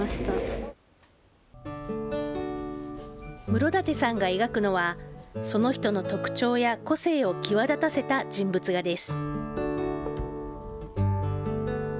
室舘さんが描くのは、その人の特徴や個性を際立たせた人物画です。